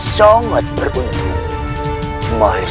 sangat beruntung mahesha